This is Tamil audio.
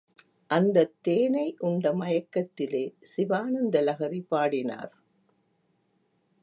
அந்தத் தேனை உண்ட மயக்கத்திலே சிவானந்த லகரி பாடினார்.